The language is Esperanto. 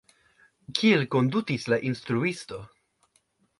Kiel kondutis la instruisto?